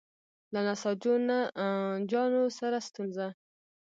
له نساجانو سره ستونزه.